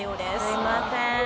すいません。